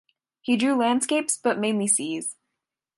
He drew landscapes but mainly seas.